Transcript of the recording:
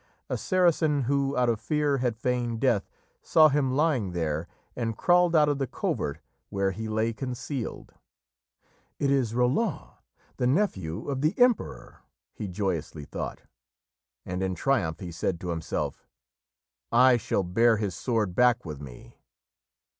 A Saracen who, out of fear, had feigned death, saw him lying there and crawled out of the covert where he lay concealed. "It is Roland, the nephew of the Emperor!" he joyously thought, and in triumph he said to himself, "I shall bear his sword back with me!"